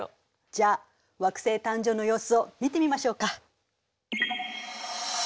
じゃあ惑星誕生の様子を見てみましょうか。